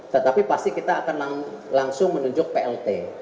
tetapi pasti kita akan langsung menunjuk plt